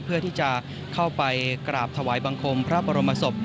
เพื่อที่จะเข้าไปกราบถวายบังคมพระบรมศพ